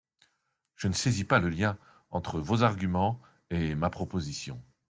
Je ne saisis pas le lien entre vos arguments et ma proposition.